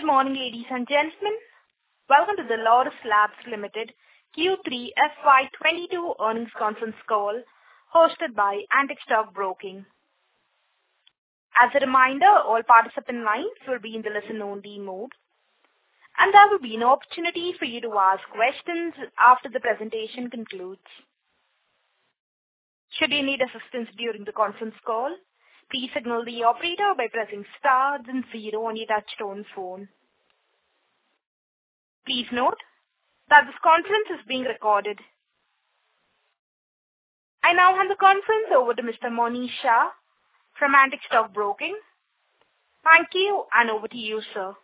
Good morning, ladies and gentlemen. Welcome to the Laurus Labs Limited Q3 FY 2022 earnings conference call hosted by Antique Stock Broking. As a reminder, all participant lines will be in the listen only mode, and there will be an opportunity for you to ask questions after the presentation concludes. Should you need assistance during the conference call, please signal the operator by pressing star then zero on your touchtone phone. Please note that this conference is being recorded. I now hand the conference over to Mr. Monish Shah from Antique Stock Broking. Thank you, and over to you, sir.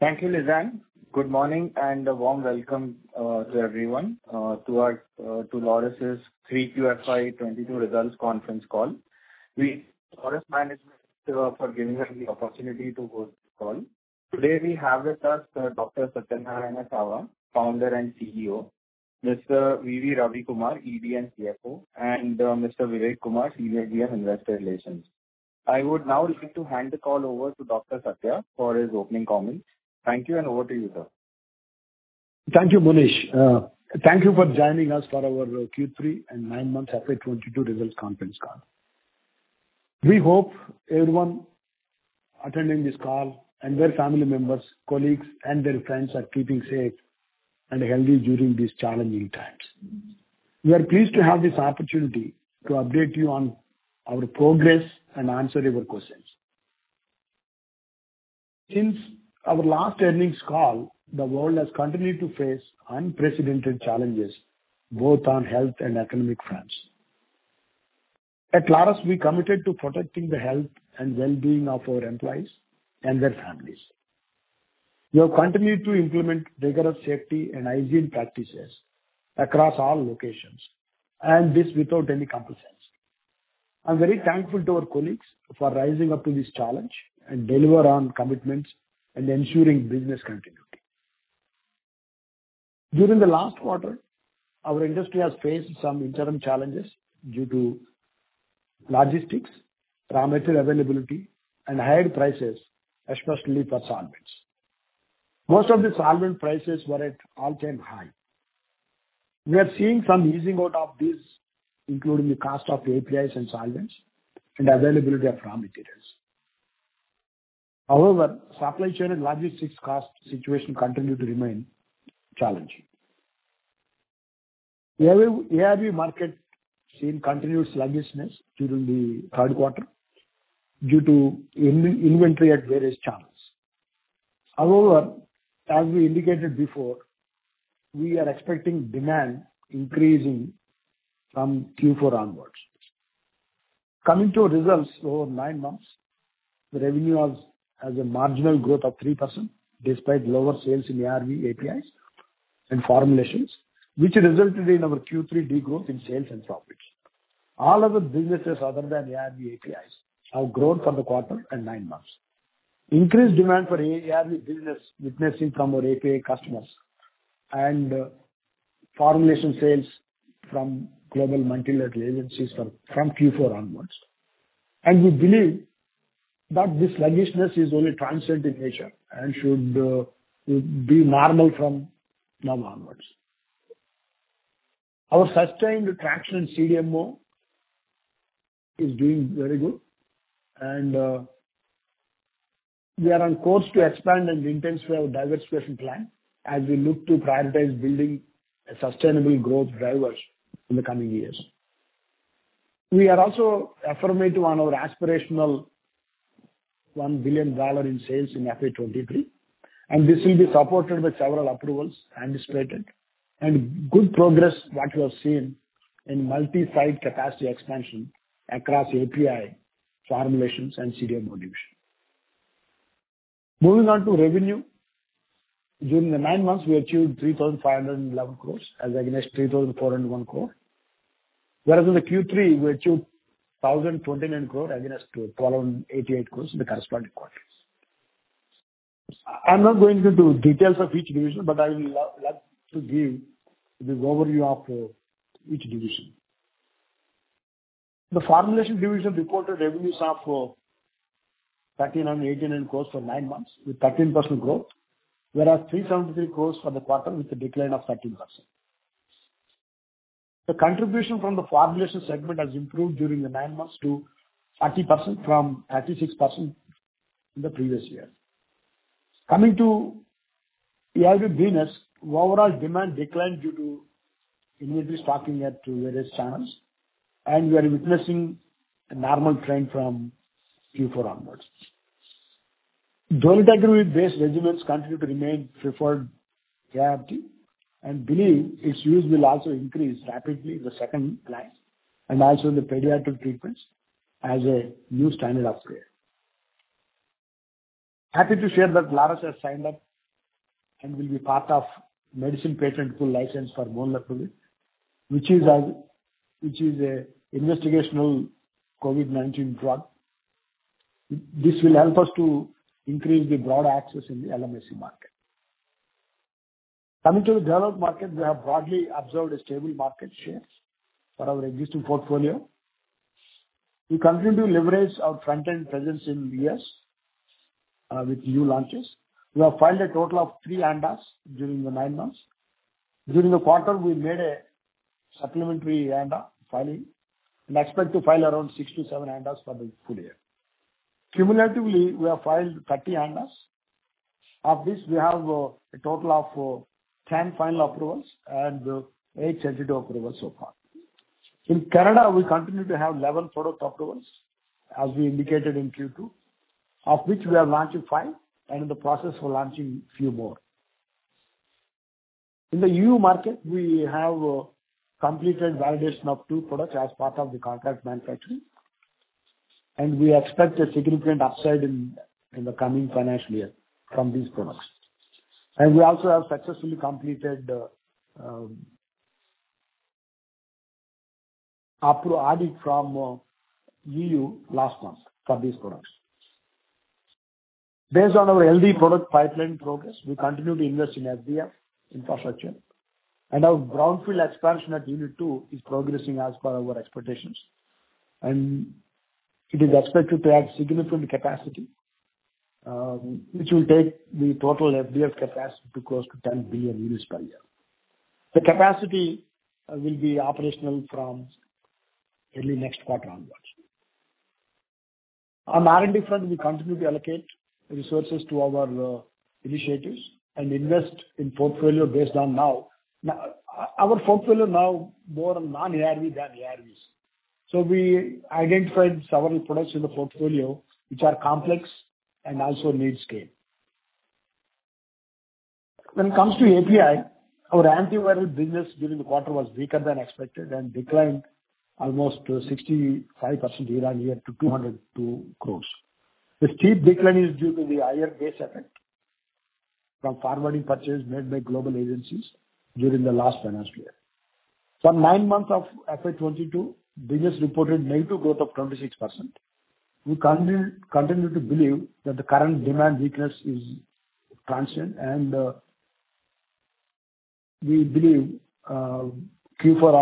Thank you, Lizanne. Good morning and a warm welcome to everyone to our Laurus' Q3 FY 2022 results conference call. We thank Laurus management for giving us the opportunity to host the call. Today we have with us Dr. Satyanarayana Chava, founder and CEO, Mr. V.V. Ravi Kumar, ED and CFO, and Mr. Vivek Kumar, CFO and investor relations. I would now like to hand the call over to Dr. Satya for his opening comments. Thank you, and over to you, sir. Thank you, Monish. Thank you for joining us for our Q3 and nine months FY 2022 results conference call. We hope everyone attending this call and their family members, colleagues and their friends are keeping safe and healthy during these challenging times. We are pleased to have this opportunity to update you on our progress and answer your questions. Since our last earnings call, the world has continued to face unprecedented challenges, both on health and economic fronts. At Laurus, we are committed to protecting the health and well-being of our employees and their families. We have continued to implement rigorous safety and hygiene practices across all locations, and this without any compulsion. I'm very thankful to our colleagues for rising up to this challenge and deliver on commitments and ensuring business continuity. During the last quarter, our industry has faced some interim challenges due to logistics, raw material availability and higher prices, especially for solvents. Most of the solvent prices were at all-time high. We are seeing some easing out of this, including the cost of APIs and solvents and availability of raw materials. However, supply chain and logistics cost situation continue to remain challenging. ARV market seen continued sluggishness during the third quarter due to in inventory at various channels. However, as we indicated before, we are expecting demand increasing from Q4 onwards. Coming to results over nine months, the revenue has a marginal growth of 3% despite lower sales in ARV, APIs and formulations, which resulted in our Q3 degrowth in sales and profits. All other businesses other than ARV, APIs have grown from the quarter and nine months. increased demand for ARV business from our API customers and formulation sales from global multilateral agencies from Q4 onwards. We believe that this sluggishness is only transient in nature and should be normal from now onwards. Our sustained traction in CDMO is doing very good and we are on course to expand and intensify our diversification plan as we look to prioritize building sustainable growth drivers in the coming years. We are also affirmative on our aspirational $1 billion in sales in FY 2023, and this will be supported with several approvals anticipated and good progress that you have seen in multi-site capacity expansion across API formulations and CDMO division. Moving on to revenue. During the nine months, we achieved 3,511 crore as against 3,401 crore. Whereas in the Q3, we achieved 1,029 crore against 1,288 crore in the corresponding quarter. I'm not going into details of each division, but I will like to give the overview of each division. The formulation division reported revenues of 1,318 crore for nine months with 13% growth, whereas 373 crore for the quarter with a decline of 13%. The contribution from the formulation segment has improved during the nine months to 30% from 36% in the previous year. Coming to ARV business, overall demand declined due to inventory stocking at various channels, and we are witnessing a normal trend from Q4 onwards. Dolutegravir-based regimens continue to remain preferred ARV, and we believe its use will also increase rapidly in the second line and also in the pediatric treatments as a new standard of care. Happy to share that Laurus has signed up and will be part of Medicines Patent Pool license for molnupiravir, which is a investigational COVID-19 drug. This will help us to increase the broad access in the LMIC market. Coming to the developed markets, we have broadly observed a stable market share for our existing portfolio. We continue to leverage our front-end presence in U.S., with new launches. We have filed a total of three ANDAs during the nine months. During the quarter, we made a supplementary ANDA filing and expect to file around six to seven ANDAs for the full year. Cumulatively, we have filed 30 ANDAs. Of this, we have a total of 10 final approvals and eight tentative approvals so far. In Canada, we continue to have 11 product approvals, as we indicated in Q2, of which we have launched five and in the process for launching few more. In the EU market, we have completed validation of two products as part of the contract manufacturing, and we expect a significant upside in the coming financial year from these products. We also have successfully completed approval audit from EU last month for these products. Based on our healthy product pipeline progress, we continue to invest in FDF infrastructure. Our brownfield expansion at unit two is progressing as per our expectations, and it is expected to add significant capacity, which will take the total FDF capacity to close to 10 billion units per year. The capacity will be operational from early next quarter onwards. On R&D front, we continue to allocate resources to our initiatives and invest in portfolio based on our portfolio now more non-ARV than ARVs. We identified several products in the portfolio which are complex and also need scale. When it comes to API, our antiviral business during the quarter was weaker than expected and declined almost 65% year-on-year to 202 crore. The steep decline is due to the higher base effect from forward purchase made by global agencies during the last financial year. For nine months of FY 2022, business reported negative growth of 26%. We continue to believe that the current demand weakness is transient, and we believe Q4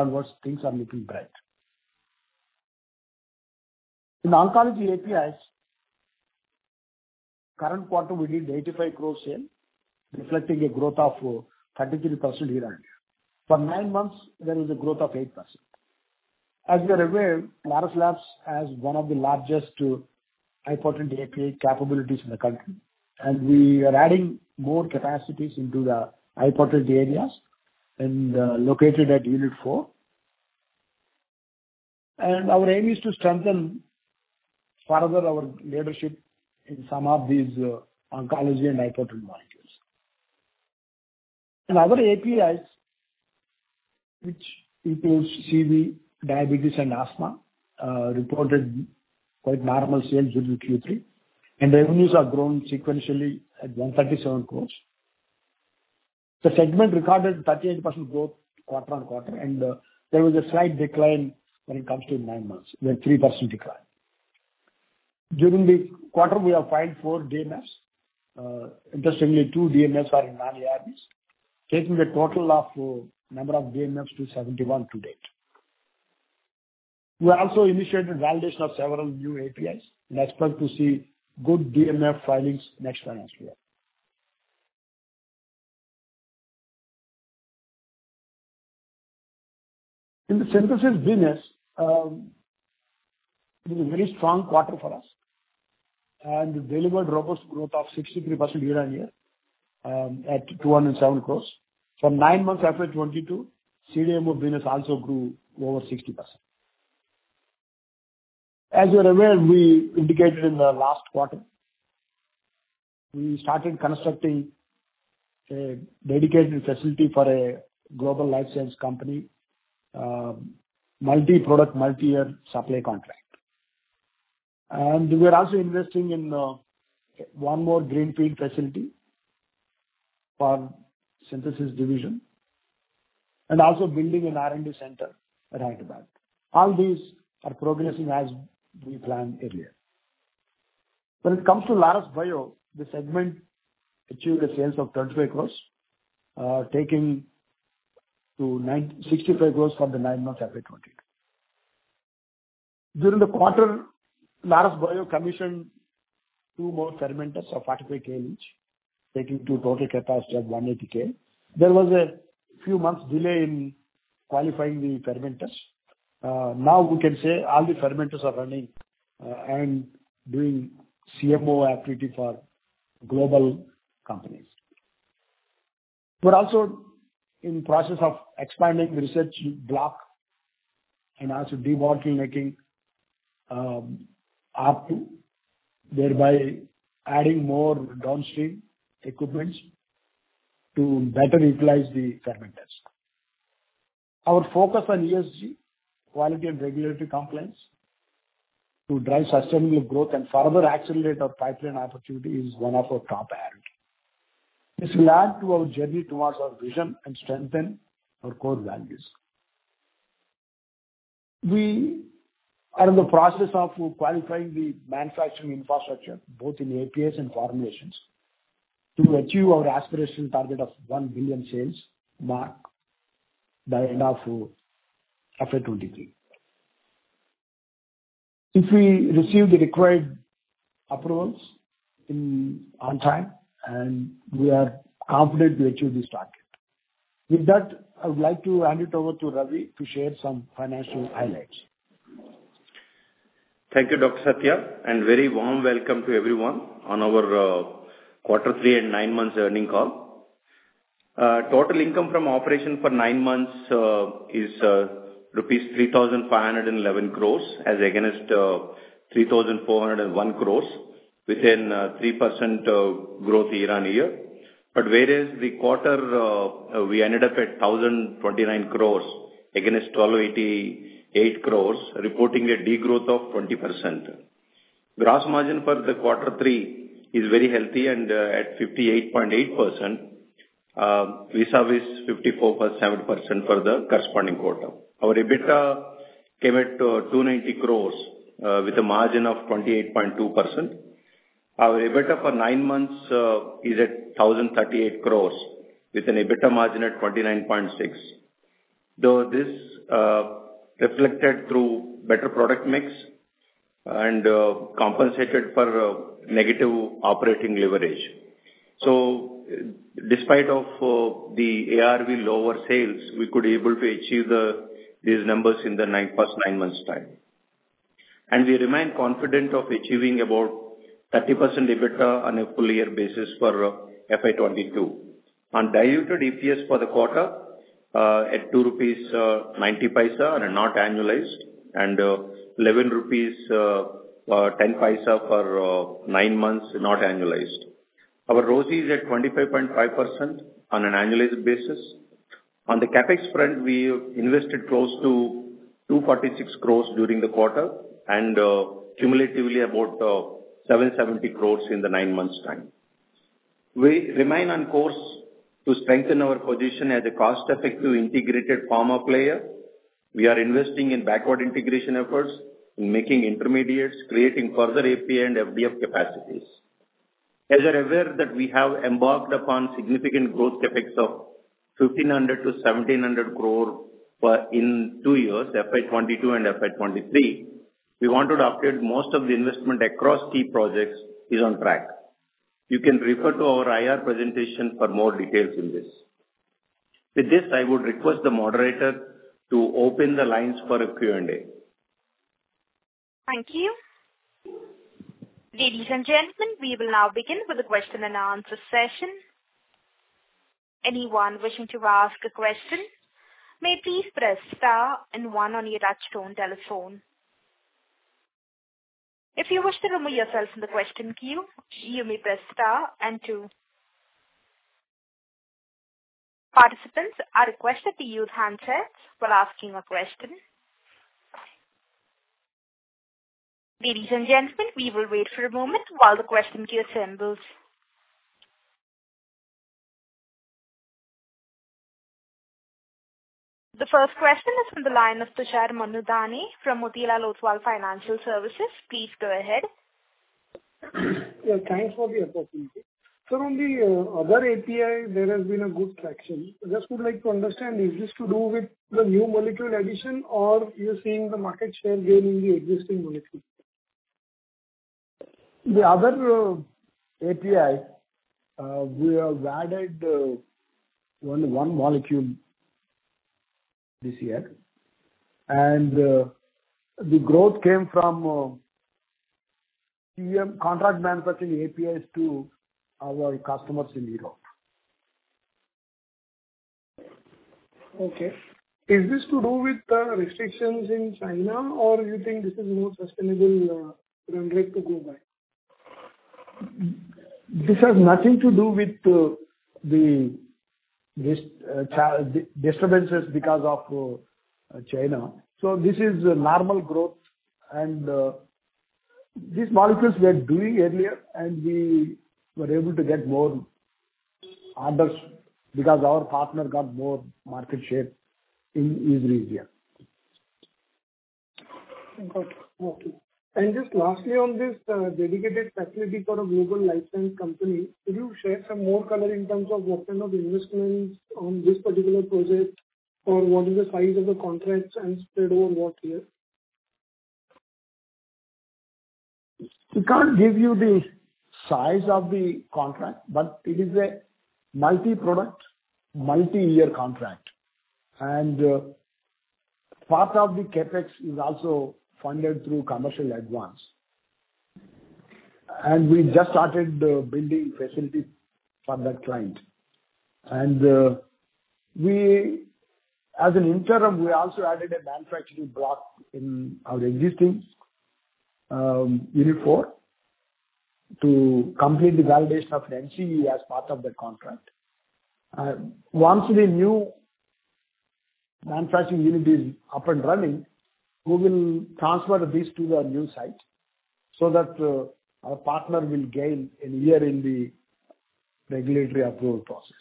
onwards, things are looking bright. In oncology APIs, current quarter we did 85 crore sale, reflecting a growth of 33% year-on-year. For nine months, there is a growth of 8%. As you are aware, Laurus Labs has one of the largest high-potent API capabilities in the country, and we are adding more capacities into the high-potent areas and located at unit four. Our aim is to strengthen further our leadership in some of these oncology and high-potent molecules. In other APIs, which includes CV, diabetes, and asthma, reported quite normal sales during Q3, and revenues have grown sequentially at 137 crore. The segment recorded 38% growth quarter-on-quarter, and there was a slight decline when it comes to nine months. We had 3% decline. During the quarter, we have filed four DMFs. Interestingly, two DMFs are in non-ARVs, taking the total of number of DMF to 71 to date. We have also initiated validation of several new APIs and expect to see good DMF filings next financial year. In the synthesis business, it was a very strong quarter for us and delivered robust growth of 63% year-on-year at 207 crore. For nine months FY 2022, CDMO business also grew over 60%. As you are aware, we indicated in the last quarter, we started constructing a dedicated facility for a global life science company, multi-product, multi-year supply contract. We are also investing in one more greenfield facility for synthesis division and also building an R&D center at Hyderabad. All these are progressing as we planned earlier. When it comes to Laurus Bio, the segment achieved sales of 32 crore, taking to 92 crore for the nine months FY 2022. During the quarter, Laurus Bio commissioned two more fermenters of 48K each, taking the total capacity to 180K. There was a few months delay in qualifying the fermenters. Now we can say all the fermenters are running and doing CMO activity for global companies. We're also in process of expanding the research block and also debottlenecking R2, thereby adding more downstream equipment to better utilize the fermenters. Our focus on ESG, quality and regulatory compliance to drive sustainable growth and further accelerate our pipeline opportunity is one of our top priority. This will add to our journey towards our vision and strengthen our core values. We are in the process of qualifying the manufacturing infrastructure, both in APIs and formulations, to achieve our aspirational target of $1 billion sales mark by end of FY 2023. If we receive the required approvals on time, and we are confident to achieve this target. With that, I would like to hand it over to Ravi to share some financial highlights. Thank you, Dr. Satya, and very warm welcome to everyone on our quarter three and nine months earnings call. Total income from operations for nine months is rupees 3,511 crore as against 3,401 crore, within 3% growth year on year. Whereas the quarter, we ended up at 1,029 crore against 1,288 crore, reporting a degrowth of 20%. Gross margin for the quarter three is very healthy and at 58.8% vis-à-vis 54.7% for the corresponding quarter. Our EBITDA came at 290 crore with a margin of 28.2%. Our EBITDA for nine months is at 1,038 crore with an EBITDA margin at 29.6%. Though this reflected through better product mix and compensated for negative operating leverage. Despite the ARV lower sales, we were able to achieve these numbers in the first nine months. We remain confident of achieving about 30% EBITDA on a full year basis for FY 2022. On diluted EPS for the quarter at 2.90 rupees, not annualized, and 11.10 rupees for nine months, not annualized. Our ROCE is at 25.5% on an annualized basis. On the CapEx front, we invested close to 246 crore during the quarter, and cumulatively about 770 crore in the nine months. We remain on course to strengthen our position as a cost-effective integrated pharma player. We are investing in backward integration efforts in making intermediates, creating further API and FDF capacities. As you're aware that we have embarked upon significant growth CapEx of 1,500 crore-1,700 crore in two years, FY 2022 and FY 2023. We want to update most of the investment across key projects is on track. You can refer to our IR presentation for more details in this. With this, I would request the moderator to open the lines for a Q&A. Thank you. Ladies and gentlemen, we will now begin with the question and answer session. Anyone wishing to ask a question may please press star and one on your touchtone telephone. If you wish to remove yourself from the question queue, you may press star and two. Participants are requested to use handsets while asking a question. Ladies and gentlemen, we will wait for a moment while the question queue assembles. The first question is from the line of Tushar Manudhane from Motilal Oswal Financial Services. Please go ahead. Yeah, thanks for the opportunity. Sir, on the other API, there has been a good traction. Just would like to understand, is this to do with the new molecule addition or you're seeing the market share gain in the existing molecule? The other API we have added only one molecule this year. The growth came from CM contract manufacturing APIs to our customers in Europe. Okay. Is this to do with the restrictions in China or do you think this is more sustainable trend rate to go by? This has nothing to do with the rest, disturbances because of China. This is normal growth, and these molecules we are doing earlier, and we were able to get more orders because our partner got more market share in EU region. Got it. Okay. Just lastly, on this, dedicated facility for a global licensed company, could you share some more color in terms of what kind of investments on this particular project or what is the size of the contracts and spread over what year? We can't give you the size of the contract, but it is a multi-product, multi-year contract. Part of the CapEx is also funded through commercial advance. We just started building facility for that client. As an interim, we also added a manufacturing block in our existing unit four to complete the validation of the NCE as part of that contract. Once the new manufacturing unit is up and running, we will transfer this to the new site so that our partner will gain a year in the regulatory approval process.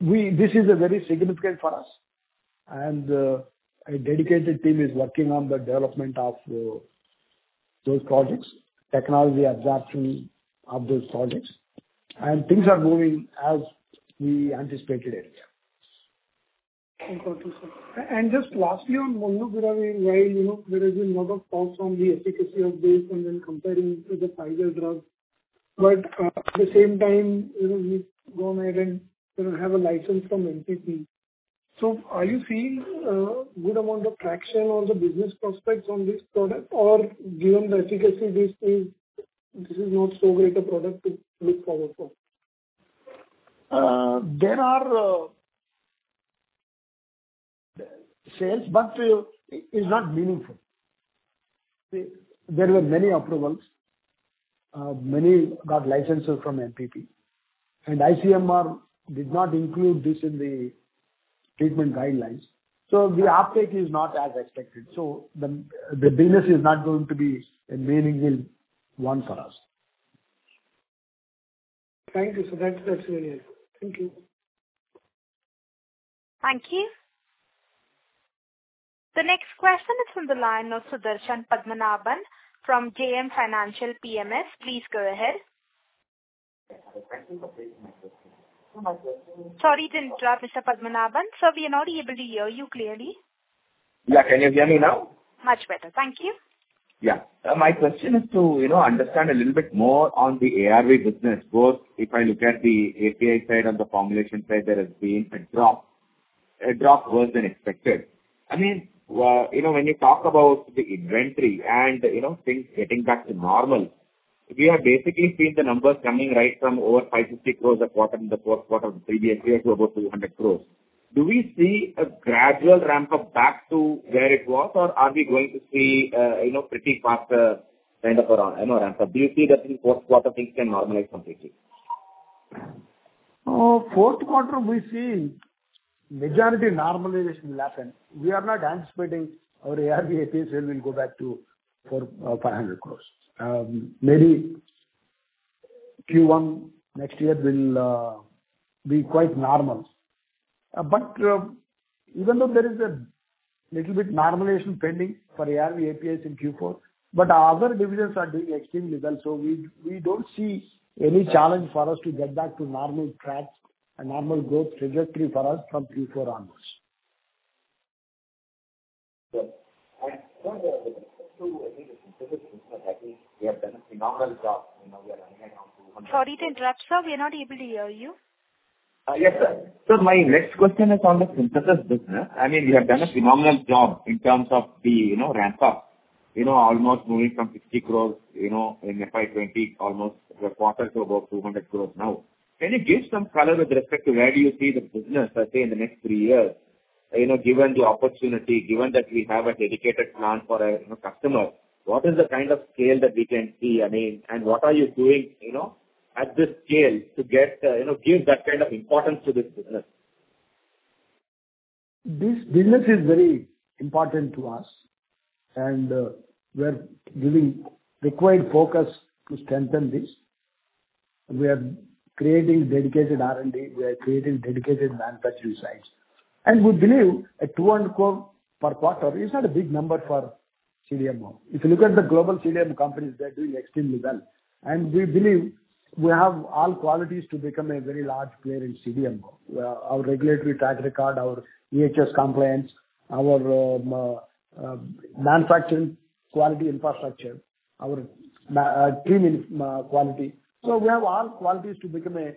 This is very significant for us, and a dedicated team is working on the development of those projects, technology absorption of those projects, and things are moving as we anticipated earlier. Thank you, sir. Just lastly on molnupiravir, while, you know, there has been a lot of talks on the efficacy of this and then comparing to the Pfizer drug, but at the same time, you know, we've gone ahead and, you know, have a license from MPP. Are you seeing good amount of traction on the business prospects on this product? Or given the efficacy, this is not so great a product to look forward for? There are the sales, but it is not meaningful. There were many approvals. Many got licenses from MPP. ICMR did not include this in the treatment guidelines, so the uptake is not as expected. The business is not going to be a meaningful one for us. Thank you, sir. That's very helpful. Thank you. Thank you. The next question is from the line of Sudarshan Padmanabhan from JM Financial PMS. Please go ahead. Thank you for taking my question. Sorry to interrupt, Mr. Padmanabhan. Sir, we are not able to hear you clearly. Yeah. Can you hear me now? Much better. Thank you. Yeah. My question is to, you know, understand a little bit more on the ARV business. Both if I look at the API side and the formulation side, there has been a drop worse than expected. I mean, you know, when you talk about the inventory and, you know, things getting back to normal, we have basically seen the numbers coming right from over 550 crore a quarter in the fourth quarter of the previous year to about 200 crore. Do we see a gradual ramp up back to where it was, or are we going to see, you know, pretty faster kind of a, you know, ramp up? Do you see that in fourth quarter things can normalize completely? Fourth quarter, we see majority normalization will happen. We are not anticipating our ARV API sales will go back to 400 crore-500 crore. Maybe Q1 next year will be quite normal. Even though there is a little bit normalization pending for ARV APIs in Q4, but our other divisions are doing extremely well, so we don't see any challenge for us to get back to normal track, a normal growth trajectory for us from Q4 onwards. Yeah. Sir, with respect to, I think, the synthesis business, I think we have done a phenomenal job. You know, we are running at now 200- Sorry to interrupt, sir. We are not able to hear you. Yes, sir. My next question is on the synthesis business. I mean, we have done a phenomenal job in terms of the, you know, ramp up. You know, almost moving from 60 crore, you know, in FY 2020 almost per quarter to about 200 crore now. Can you give some color with respect to where do you see the business, let's say, in the next three years? You know, given the opportunity, given that we have a dedicated plant for a, you know, customer, what is the kind of scale that we can see, I mean? And what are you doing, you know, at this scale to get, you know, give that kind of importance to this business? This business is very important to us, and we are giving required focus to strengthen this. We are creating dedicated R&D. We are creating dedicated manufacturing sites. We believe 200 crore per quarter is not a big number for CDMO. If you look at the global CDMO companies, they're doing extremely well. We believe we have all qualities to become a very large player in CDMO. Our regulatory track record, our EHS compliance, our manufacturing quality infrastructure, our team in quality. We have all qualities to become a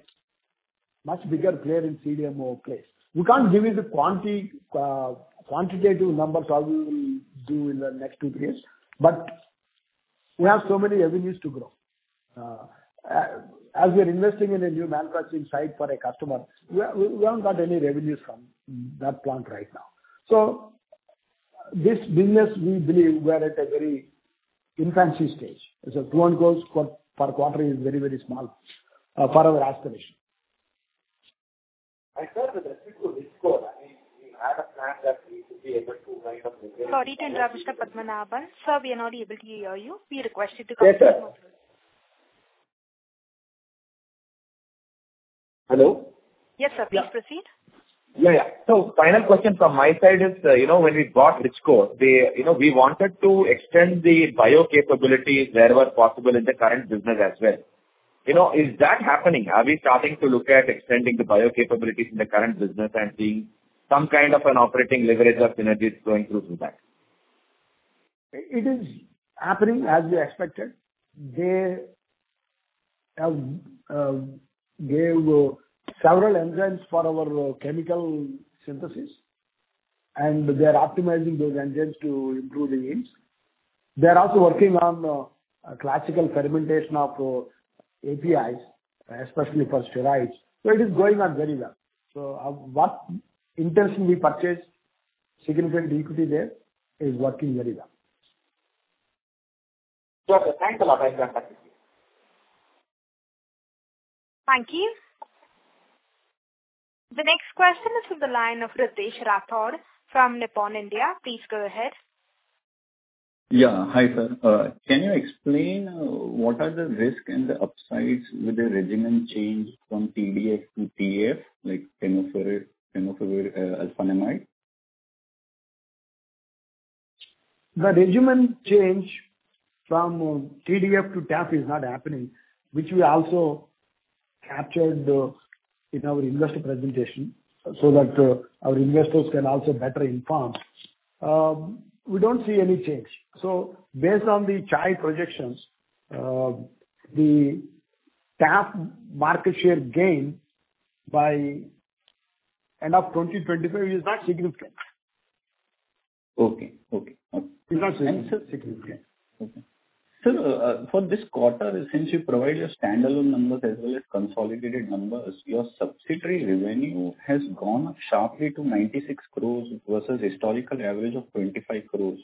much bigger player in CDMO space. We can't give you the quantitative numbers how we will do in the next two, three years, but we have so many avenues to grow. As we are investing in a new manufacturing site for a customer, we haven't got any revenues from that plant right now. This business, we believe we are at a very infancy stage. 200 crore per quarter is very, very small for our aspiration. Sir, with respect to Richcore, I mean, we had a plan that we should be able to. Sorry to interrupt, Mr. Padmanabhan. Sir, we are not able to hear you. We request you to come to the microphone. Yes, sir. Hello? Yes, sir. Please proceed. Yeah, yeah. Final question from my side is, you know, when we bought Richcore, they You know, we wanted to extend the bio capabilities wherever possible in the current business as well. You know, is that happening? Are we starting to look at extending the bio capabilities in the current business and seeing some kind of an operating leverage or synergies flowing through that? It is happening as we expected. They have gave several enzymes for our chemical synthesis, and they are optimizing those enzymes to improve the yields. They are also working on classical fermentation of APIs, especially for steroids. It is going on very well. What intention we purchased significant equity there is working very well. Sure, sir. Thanks a lot. I appreciate it. Thank you. The next question is from the line of Ritesh Rathod from Nippon India. Please go ahead. Yeah. Hi, sir. Can you explain what are the risks and the upsides with the regimen change from TDF to TAF, like tenofovir alafenamide? The regimen change from TDF to TAF is not happening, which we also captured in our investor presentation so that our investors can also better inform. We don't see any change. Based on the CHAI projections, the TAF market share gain by end of 2024 is not significant. Okay. Okay. Is not significant. Okay. Sir, for this quarter, since you provide your standalone numbers as well as consolidated numbers, your subsidiary revenue has gone up sharply to 96 crore versus historical average of 25 crore.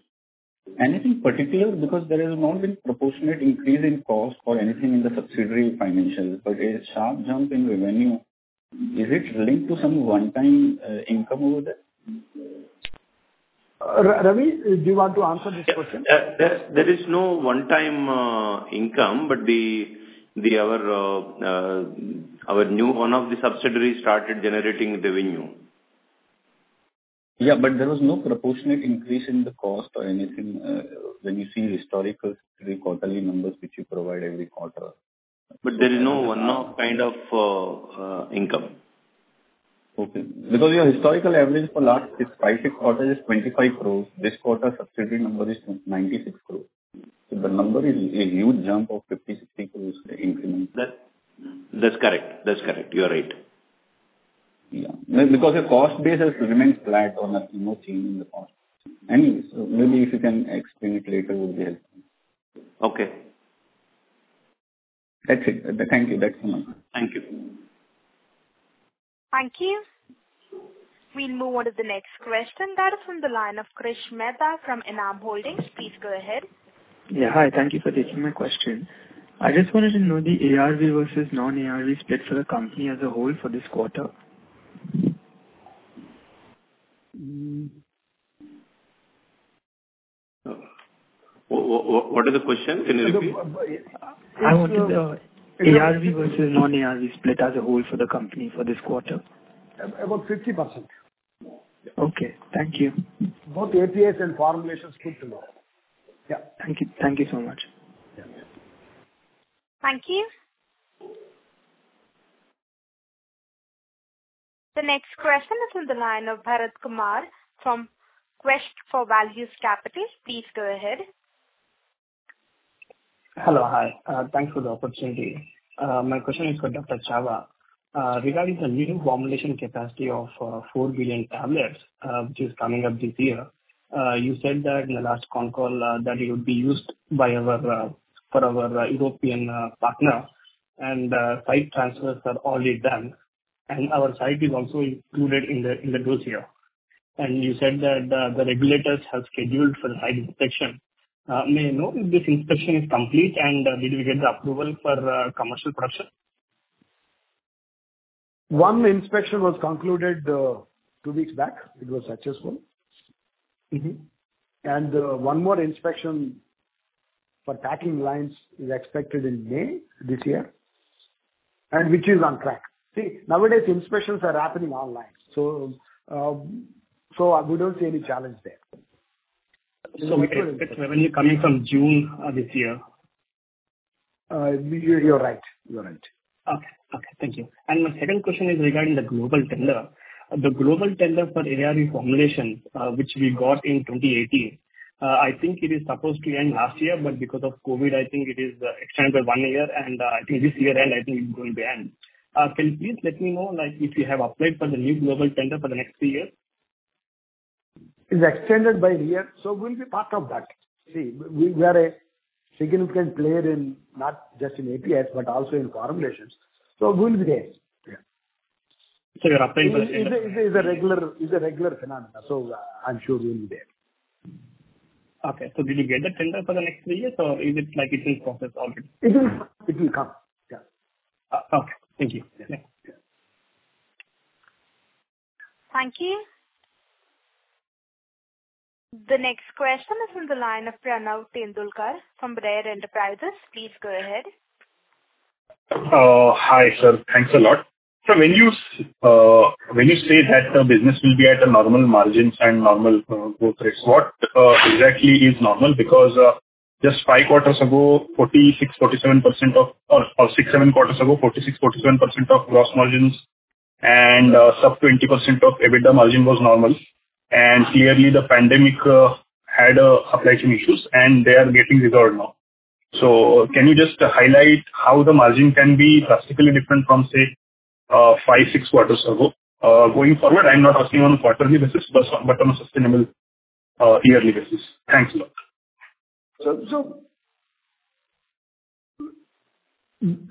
Anything particular because there has not been proportionate increase in cost or anything in the subsidiary financials, but a sharp jump in revenue. Is it linked to some one time income over there? Ravi, do you want to answer this question? There is no one-time income, but our new one of the subsidiaries started generating revenue. Yeah, there was no proportionate increase in the cost or anything, when you see historical quarterly numbers, which you provide every quarter. There is no one-off kind of income. Okay. Because your historical average for last five, six quarters is 25 crore. This quarter subsidiary number is 96 crore. The number is a huge jump of 50 crore-60 crore increment. That's correct. You're right. Yeah. Because the cost base has remained flat or no change in the cost. Anyways, maybe if you can explain it later, it would help. Okay. That's it. Thank you. That's all. Thank you. Thank you. We'll move on to the next question that is from the line of Krish Mehta from Enam Holdings. Please go ahead. Yeah. Hi. Thank you for taking my question. I just wanted to know the ARV versus non-ARV split for the company as a whole for this quarter? What is the question? Can you repeat? I wanted the ARV versus non-ARV split as a whole for the company for this quarter. About 50%. Okay. Thank you. Both APIs and formulations put together. Yeah. Thank you. Thank you so much. Yeah. Thank you. The next question is on the line of Bharat Kumar from Quest for Value Capital. Please go ahead. Hello. Hi. Thanks for the opportunity. My question is for Dr. Chava. Regarding the new formulation capacity of 4 billion tablets, which is coming up this year, you said that in the last concall that it would be used for our European partner, and site transfers are already done. Our site is also included in the dossier. You said that the regulators have scheduled for the site inspection. May I know if this inspection is complete and did you get the approval for commercial production? One inspection was concluded, two weeks back. It was successful. Mm-hmm. One more inspection for packing lines is expected in May this year, and which is on track. See, nowadays inspections are happening online, so we don't see any challenge there. You can expect revenue coming from June, this year. You're right. You're right. Thank you. My second question is regarding the global tender. The global tender for ARV formulation, which we got in 2018, I think it is supposed to end last year, but because of COVID, I think it is extended one year and, I think this year end, I think it's going to end. Can you please let me know, like, if you have applied for the new global tender for the next three years? It's extended by a year, so we'll be part of that. See, we are a significant player in not just APIs, but also in formulations. We'll be there. Yeah. You're applying for it. It's a regular phenomenon. I'm sure we'll be there. Okay. Did you get the tender for the next three years or is the process ongoing? It will come. Yeah. Okay. Thank you. Yeah. Thank you. The next question is from the line of Pranav Tendulkar from Rare Enterprises. Please go ahead. Hi, sir. Thanks a lot. When you say that the business will be at normal margins and normal growth rates, what exactly is normal? Because just six to seven quarters ago, 46%-47% gross margins and sub-20% EBITDA margin was normal. Clearly the pandemic had supply chain issues, and they are getting resolved now. Can you just highlight how the margin can be drastically different from, say, five to six quarters ago going forward? I'm not asking on a quarterly basis, but on a sustainable yearly basis. Thanks a lot.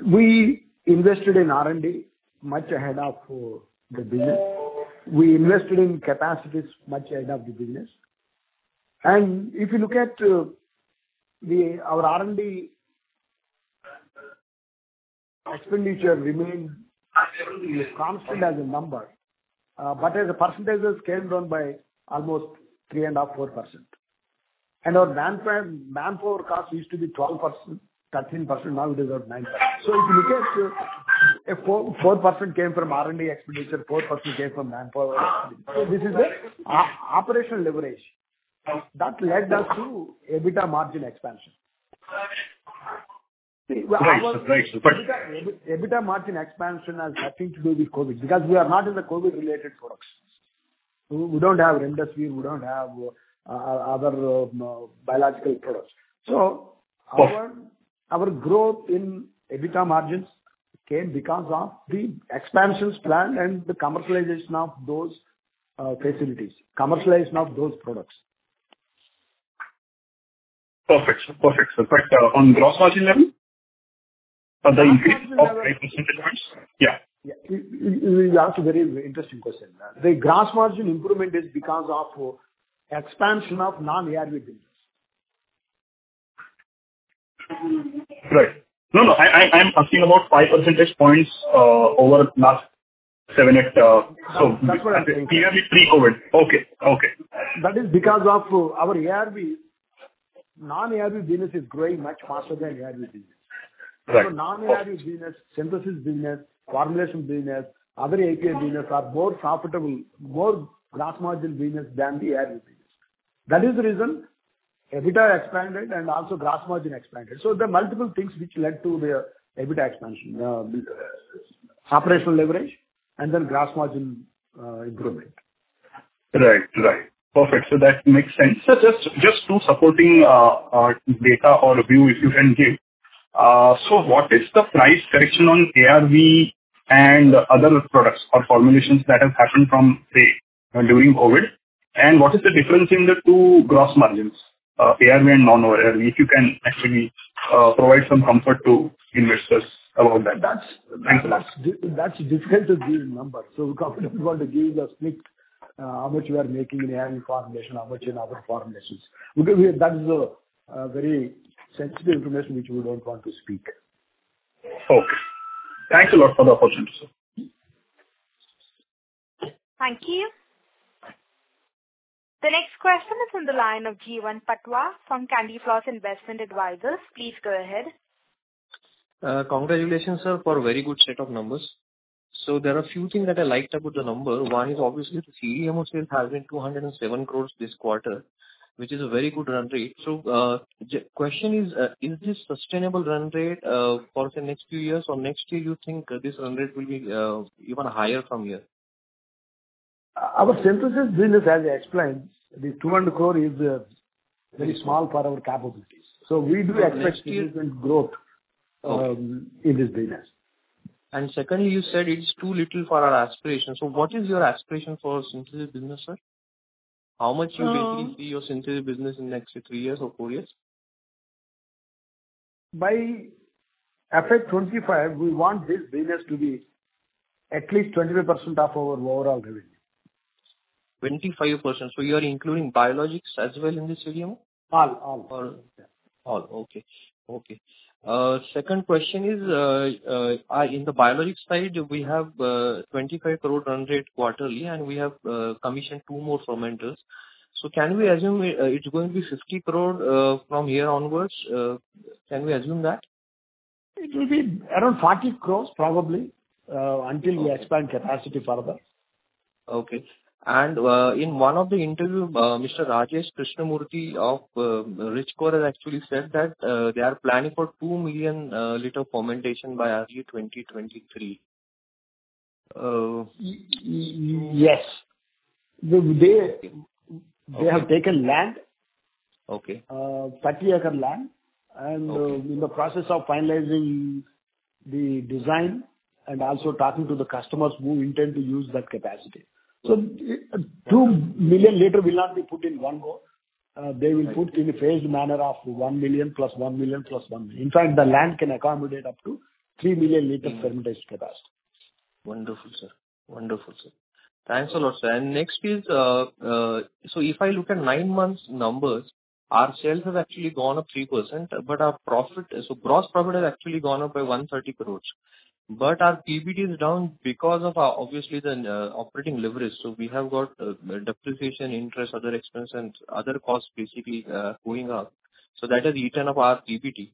We invested in R&D much ahead of the business. We invested in capacities much ahead of the business. If you look at our R&D expenditure remained constant as a number, but as a percentage came down by almost 3.5-4%. Our manpower cost used to be 12%-13%. Now it is at 9%. If you look at it, if 4% came from R&D expenditure, 4% came from manpower. This is the operational leverage. That led us to EBITDA margin expansion. Right. EBITDA margin expansion has nothing to do with COVID, because we are not in the COVID-related products. We don't have remdesivir, we don't have other biological products. Our growth in EBITDA margins came because of the expansions planned and the commercialization of those facilities, commercialization of those products. Perfect, sir. On gross margin level, the increase of 5 percentage points? Yeah. You asked a very interesting question. The gross margin improvement is because of expansion of non-ARV business. Right. No, no, I'm asking about 5 percentage points over last seven, eight, so- That's what I'm saying. Pre-COVID. Okay. That is because of our ARV. Non-ARV business is growing much faster than ARV business. Right. Non-ARV business, synthesis business, formulation business, other API business are more profitable, more gross margin business than the ARV business. That is the reason EBITDA expanded and also gross margin expanded. There are multiple things which led to the EBITDA expansion, operational leverage and then gross margin, improvement. Right. Perfect. That makes sense. Just two supporting data or view if you can give. What is the price correction on ARV and other products or formulations that have happened from, say, during COVID? And what is the difference in the two gross margins, ARV and non-ARV? If you can actually provide some comfort to investors about that. Thanks a lot, sir. That's difficult to give numbers. We're comfortable to give the split, how much we are making in ARV formulation, how much in other formulations, because that is a very sensitive information which we don't want to speak. Okay. Thanks a lot for the opportunity, sir. Thank you. The next question is on the line of Jeevan Patwa from CandyFloss Investment Advisors. Please go ahead. Congratulations, sir, for a very good set of numbers. There are a few things that I liked about the number. One is obviously the CDMO sales has been 207 crore this quarter, which is a very good run rate. Question is this sustainable run rate for the next few years, or next year you think this run rate will be even higher from here? Our synthesis business, as I explained, the 200 crore is a very small part of our capabilities. We do expect significant growth in this business. Secondly, you said it's too little for our aspiration. What is your aspiration for synthesis business, sir? How much you may need for your synthesis business in next three years or four years? By FY 2025, we want this business to be at least 25% of our overall revenue. 25%. You are including biologics as well in this CDMO? All. Second question is, in the biologics side, we have 25 crore run rate quarterly, and we have commissioned two more fermenters. Can we assume it's going to be 60 crore from here onwards? Can we assume that? It will be around 40 crore probably until we expand capacity further. Okay. In one of the interview, Mr. Rajesh Krishnamurthy of Richcore has actually said that they are planning for 2 million liter fermentation by FY 2023. Yes. They have taken land. Okay. 30-acre land, and in the process of finalizing the design and also talking to the customers who intend to use that capacity. 2 million L will not be put in one go. They will put in a phased manner of 1 million plus 1 million plus 1 million. In fact, the land can accommodate up to 3 million L fermentation capacity. Wonderful, sir. Thanks a lot, sir. Next is, if I look at nine months numbers, our sales has actually gone up 3%, but our profit, gross profit has actually gone up by 130 crore. But our PBT is down because of obviously the operating leverage. We have got depreciation interest, other expense and other costs basically going up. That has eaten up our PBT.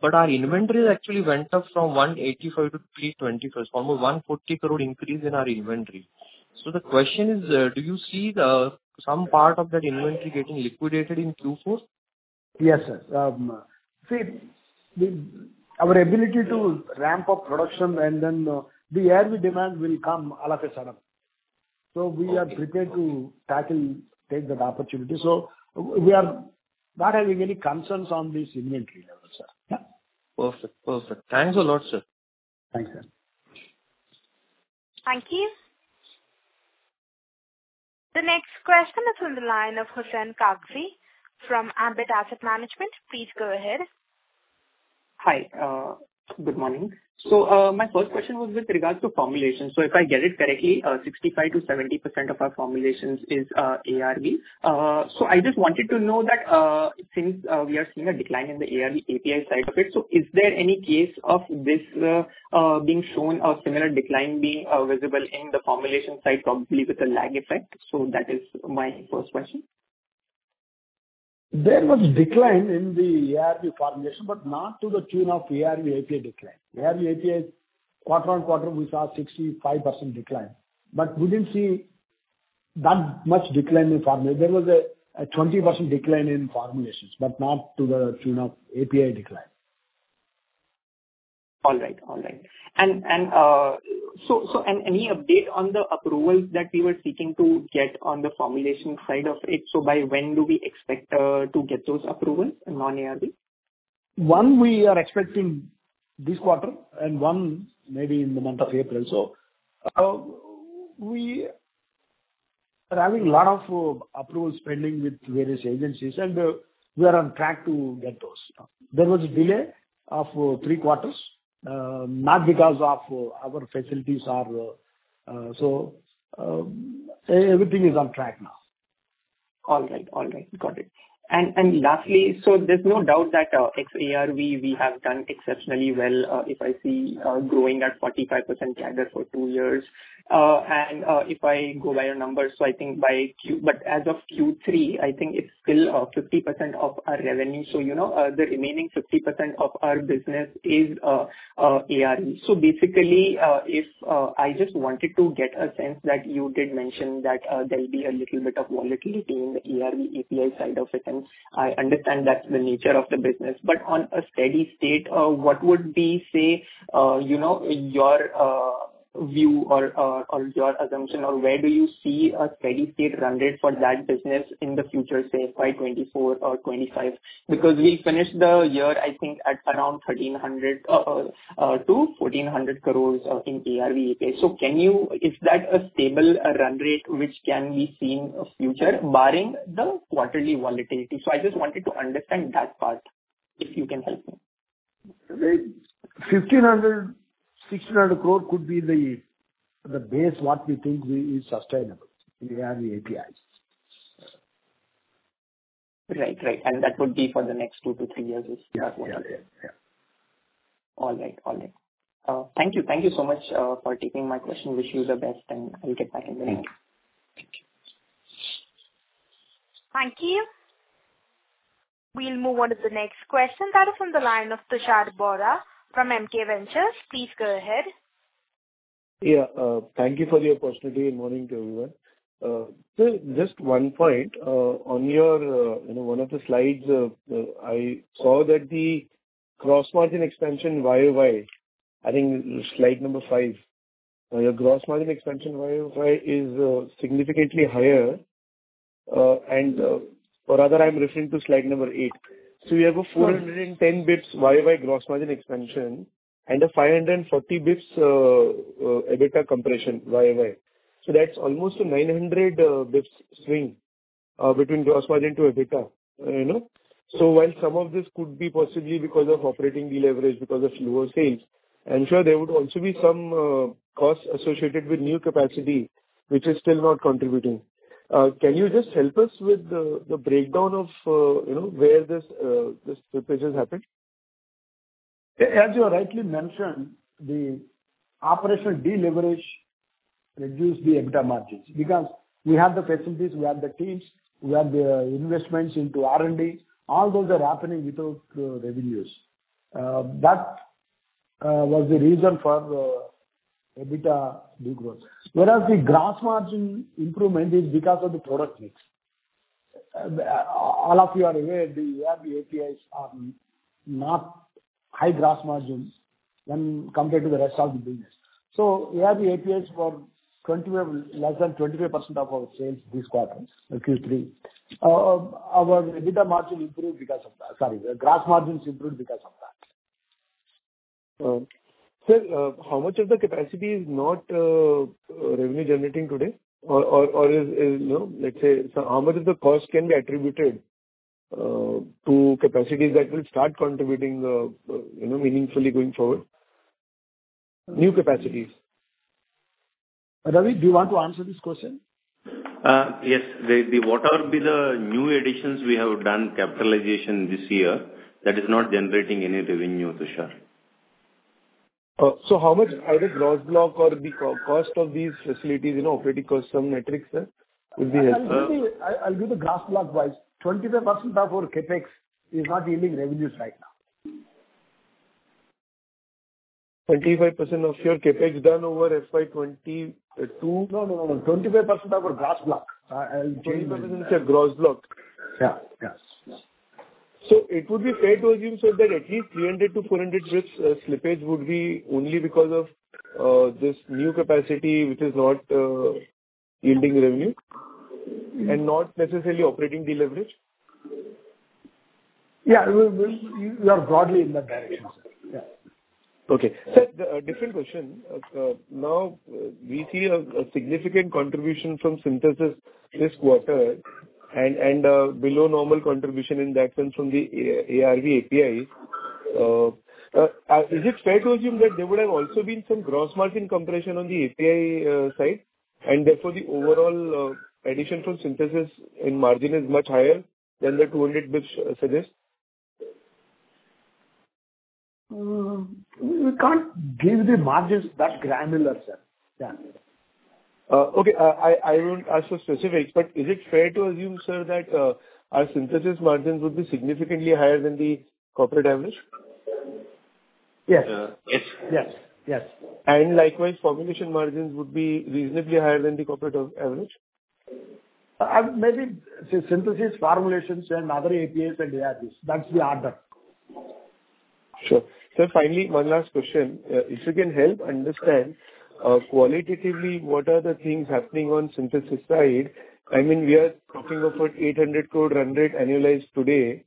But our inventory actually went up from 185 crore to 321 crore, almost 140 crore increase in our inventory. The question is, do you see some part of that inventory getting liquidated in Q4? Yes, sir. See, our ability to ramp up production and then the ARV demand will come all of a sudden. We are prepared to take that opportunity. We are not having any concerns on this inventory level, sir. Yeah. Perfect. Thanks a lot, sir. Thanks, sir. Thank you. The next question is on the line of Hussain Kagzi from Ambit Asset Management. Please go ahead. Good morning. My first question was with regards to formulation. If I get it correctly, 65%-70% of our formulations is ARV. I just wanted to know that, since we are seeing a decline in the ARV API side of it, is there any case of this being shown or similar decline being visible in the formulation side, probably with a lag effect? That is my first question. There was a decline in the ARV formulation, but not to the tune of ARV API decline. ARV API quarter-on-quarter, we saw 65% decline, but we didn't see that much decline in formulations. There was a 20% decline in formulations, but not to the tune of API decline. All right. Any update on the approvals that you were seeking to get on the formulation side of it? By when do we expect to get those approvals in non-ARV? One we are expecting this quarter, and one maybe in the month of April. We are having a lot of approvals pending with various agencies, and we are on track to get those. There was a delay of three quarters, not because of our facilities. Everything is on track now. All right. Got it. Lastly, there's no doubt that ex-ARV we have done exceptionally well, if I see growing at 45% CAGR for two years. If I go by your numbers, I think as of Q3, it's still 50% of our revenue. You know, the remaining 50% of our business is ARV. Basically, I just wanted to get a sense that you did mention that there'll be a little bit of volatility in the ARV API side of it, and I understand that's the nature of the business. On a steady state, what would be, say, you know, your view or your assumption, or where do you see a steady state run rate for that business in the future, say, by 2024 or 2025? Because we finished the year, I think, at around 1,300-1,400 crore in ARV API. Is that a stable run rate which can be seen in the future barring the quarterly volatility? I just wanted to understand that part, if you can help me. 1,500 crore-1,600 crore could be the base, what we think is sustainable in ARV APIs. Right. That would be for the next two to three years. Yeah. All right. Thank you. Thank you so much for taking my question. I wish you the best, and I'll get back in the loop. Thank you. Thank you. We'll move on to the next question. That is on the line of Tushar Bohra from MK Ventures. Please go ahead. Yeah. Thank you for the opportunity, and morning to everyone. Sir, just one point. On your, you know, one of the slides, I saw that the gross margin expansion YoY, I think slide number five. Your gross margin expansion YoY is significantly higher, or rather I'm referring to slide number eight. You have a 410 basis points YoY gross margin expansion and a 540 basis points EBITDA compression YoY. That's almost a 900 basis points swing between gross margin to EBITDA, you know. While some of this could be possibly because of operating deleverage because of lower sales, I'm sure there would also be some costs associated with new capacity, which is still not contributing. Can you just help us with the breakdown of, you know, where this slippage has happened? As you rightly mentioned, the operational deleverage reduced the EBITDA margins because we have the facilities, we have the teams, we have the investments into R&D. All those are happening without revenues. That was the reason for the EBITDA de-growth. Whereas the gross margin improvement is because of the product mix. All of you are aware the ARV APIs are not high gross margins when compared to the rest of the business. So ARV APIs were 25%, less than 25% of our sales this quarter, Q3. Our EBITDA margin improved because of that. Sorry, the gross margins improved because of that. Sir, how much of the capacity is not revenue generating today? You know, let's say, so how much of the cost can be attributed to capacities that will start contributing, you know, meaningfully going forward? New capacities. Ravi, do you want to answer this question? Yes. The whatever be the new additions we have done CapEx this year, that is not generating any revenue, Tushar. How much either gross block or the cap cost of these facilities, you know, operating cost, some metrics, sir, would be helpful. I'll do the gross block-wise. 25% of our CapEx is not yielding revenues right now. 25% of your CapEx done over FY 2022- No, no. 25% of our gross block. I'll give you. 25% gross block. Yeah. Yes. Yeah. It would be fair to assume, sir, that at least 300-400 basis points slippage would be only because of this new capacity, which is not yielding revenue and not necessarily operating deleverage. Yeah. You are broadly in that direction, sir. Yeah. Okay. Sir, a different question. Now we see a significant contribution from synthesis this quarter. Below normal contribution in that sense from the ARV API. Is it fair to assume that there would have also been some gross margin compression on the API side, and therefore the overall addition from synthesis in margin is much higher than the 200 basis point suggest? We can't give the margins that granular, sir. Yeah. I won't ask for specifics, but is it fair to assume, sir, that our synthesis margins would be significantly higher than the corporate average? Yes. Yes, yes. Likewise, formulation margins would be reasonably higher than the corporate average. Maybe synthesis formulations and other APIs and ARVs, that's the order. Sure. Finally, one last question. If you can help understand, qualitatively, what are the things happening on synthesis side. I mean, we are talking of about 800 crore run rate annualized today.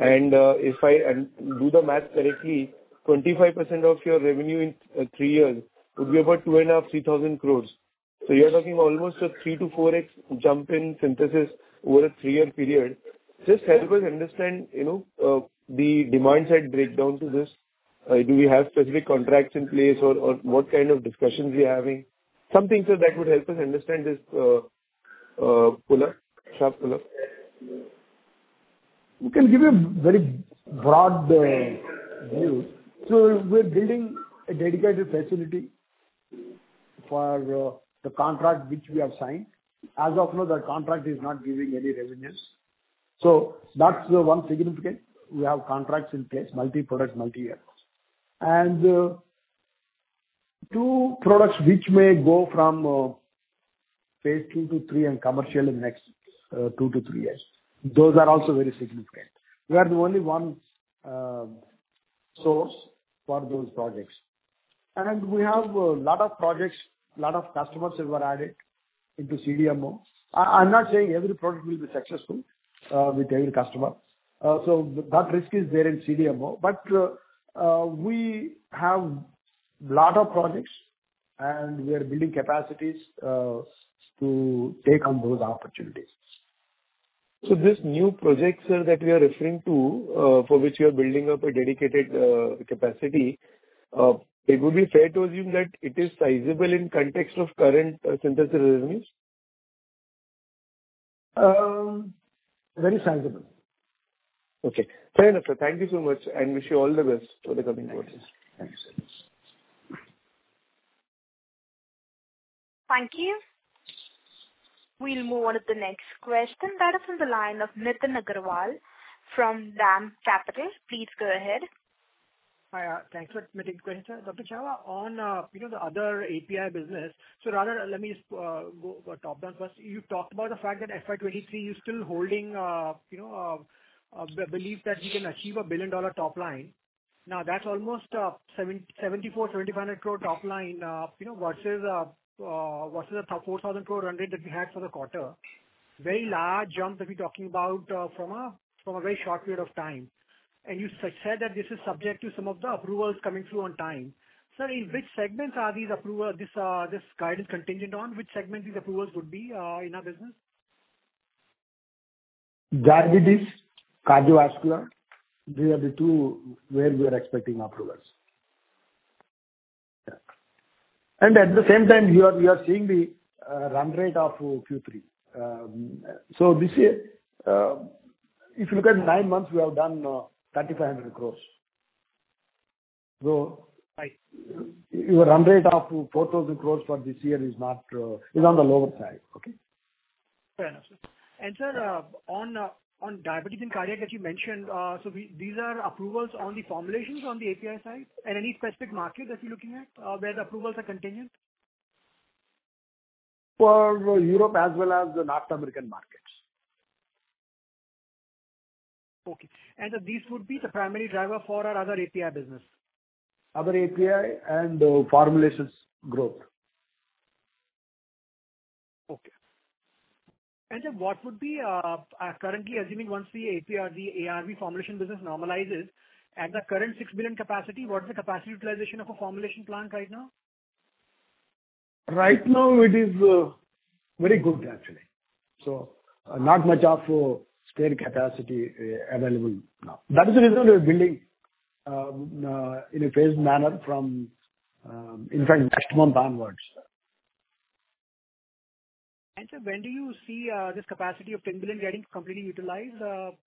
If I do the math correctly, 25% of your revenue in three years would be about 2,500 crore-3,000 crore. You're talking almost a 3x-4x jump in synthesis over a three-year period. Just help us understand, you know, the demand side breakdown to this. Do we have specific contracts in place or what kind of discussions we are having? Something, sir, that would help us understand this pull-up, sharp pull-up. We can give you a very broad view. We're building a dedicated facility for the contract which we have signed. As of now, that contract is not giving any revenues. That's the one significant. We have contracts in place, multi-product, multi-year contracts. Two products which may go from phase II to III and commercial in the next two to three years. Those are also very significant. We are the only one source for those projects. We have a lot of projects, a lot of customers who were added into CDMO. I'm not saying every product will be successful with every customer, so that risk is there in CDMO. We have lot of projects and we are building capacities to take on those opportunities. This new project, sir, that we are referring to, for which you are building up a dedicated capacity, it would be fair to assume that it is sizable in context of current synthesis revenues? Very sizable. Okay. Fair enough, sir. Thank you so much and wish you all the best for the coming quarters. Thank you. Thanks. Thank you. We'll move on to the next question. That is on the line of Nitin Agarwal from DAM Capital. Please go ahead. Hi. Thanks for taking the question. Dr. Chava, on, you know, the other API business. Rather let me go top down first. You've talked about the fact that FY 2023, you're still holding, you know, a belief that you can achieve a $1 billion top line. Now, that's almost 7,400 crore-7,500 crore top line, you know, versus the 4,000 crore run rate that we had for the quarter. Very large jump that we're talking about, from a very short period of time. You said that this is subject to some of the approvals coming through on time. Sir, in which segments are these approvals, this guidance contingent on? Which segment these approvals would be in our business? Diabetes, cardiovascular. These are the two where we are expecting approvals. Yeah. At the same time here we are seeing the run rate of Q3. This year, if you look at nine months, we have done 3,500 crore. Right. Your run rate of 4,000 crore for this year is not on the lower side. Okay. Fair enough, sir. Sir, on diabetes and cardiac that you mentioned, so these are approvals on the formulations on the API side? Any specific market that you're looking at, where the approvals are contingent? For Europe as well as the North American markets. Okay. These would be the primary driver for our other API business. Other API and formulations growth. What would be currently assuming once the API, the ARV formulation business normalizes at the current 6 million capacity, what is the capacity utilization of a formulation plant right now? Right now it is very good actually. Not much of spare capacity available now. That is the reason we are building in a phased manner from, in fact, next month onwards. Sir, when do you see this capacity of 10 billion getting completely utilized,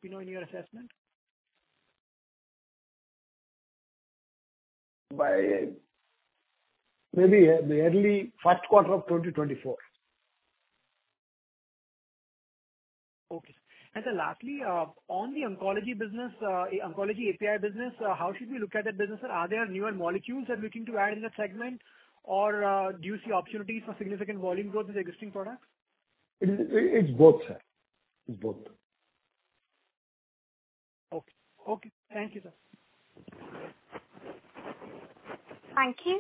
you know, in your assessment? By maybe early first quarter of 2024. Okay. Sir, lastly, on the oncology business, oncology API business, how should we look at that business? Are there newer molecules that we're looking to add in that segment? Or, do you see opportunities for significant volume growth with existing products? It is, it's both, sir. Okay. Thank you, sir. Thank you.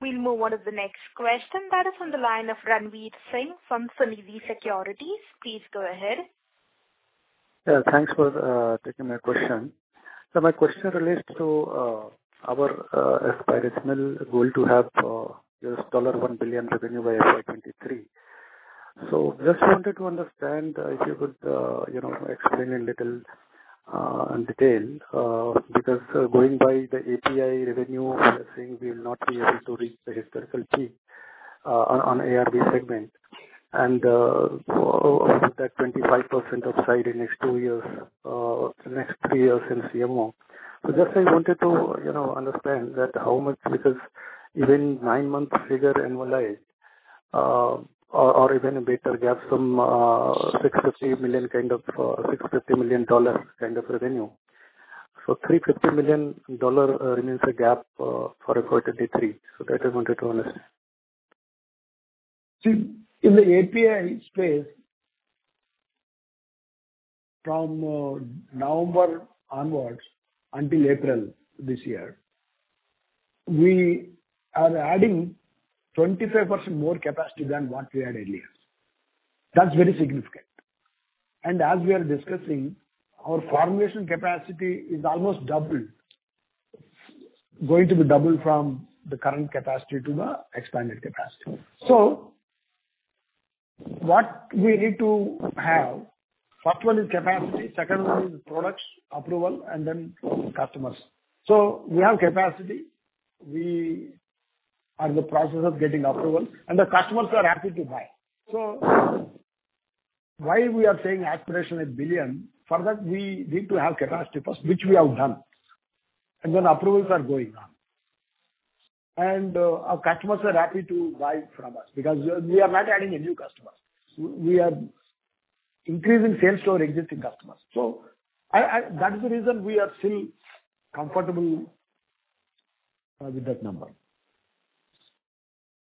We'll move on to the next question. That is on the line of Ranvir Singh from Sunidhi Securities. Please go ahead. Yeah, thanks for taking my question. My question relates to our aspirational goal to have $1 billion revenue by FY 2023. Just wanted to understand if you could, you know, explain in little detail because going by the API revenue, we are saying we will not be able to reach the historical peak on ARV segment. About that 25% upside in next two years, next three years in CMO. Just I wanted to, you know, understand that how much, because even nine-month figure annualized, or even a better guess some $650 million kind of revenue. $350 million remains a gap for FY 2023. That I wanted to understand. See, in the API space from November onwards until April this year, we are adding 25% more capacity than what we had earlier. That's very significant. As we are discussing, our formulation capacity is almost doubled, going to be double from the current capacity to the expanded capacity. What we need to have, first one is capacity, second one is products approval, and then customers. We have capacity. We are in the process of getting approval, and the customers are happy to buy. Why we are saying aspiration is $1 billion, for that we need to have capacity first, which we have done. Then approvals are going on. Our customers are happy to buy from us because we are not adding a new customer. We are increasing sales to our existing customers. That is the reason we are still comfortable with that number.